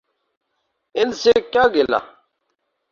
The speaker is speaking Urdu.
ان سے کیا گلہ۔